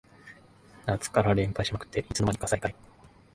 夏から連敗しまくっていつの間にか最下位